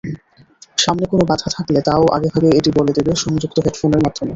সামনে কোনো বাধা থাকলে তা-ও আগেভাগে এটি বলে দেবে সংযুক্ত হেডফোনের মাধ্যমে।